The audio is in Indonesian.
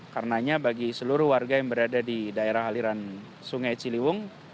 karenanya bagi seluruh warga yang berada di daerah aliran sungai ciliwung